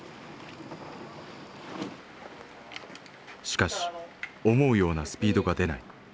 しかし思うようなスピードが出ない。